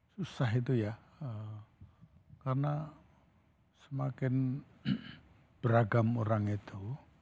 susah itu ya karena semakin beragam orang itu